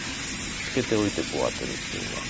ツケておいてこうアテるっていうのが。